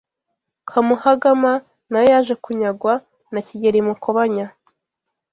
Kamuhagama nayo yaje kunyagwa na Kigeli Mukobanya